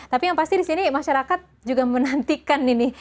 tapi yang pasti di sini masyarakat juga menantikan ini